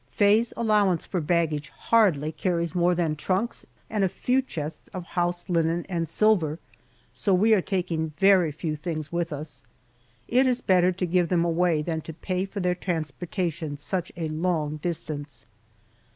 Faye's allowance for baggage hardly carries more than trunks and a few chests of house linen and silver, so we are taking very few things with us. It is better to give them away than to pay for their transportation such a long distance.